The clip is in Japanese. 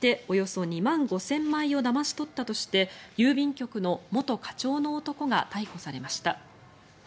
およそ２万５０００枚をだまし取ったとして郵便局の元課長の男が逮捕されました。